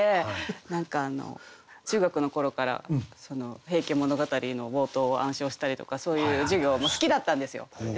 何か中学の頃から「平家物語」の冒頭を暗唱したりとかそういう授業も好きだったんですよ。